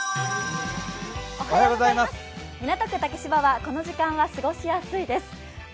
港区竹芝はこの時間は過ごしやすいです。